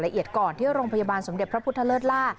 แล้วก็พุ่งมือมา